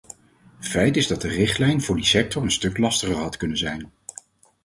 Feit is dat de richtlijn voor die sector een stuk lastiger had kunnen zijn.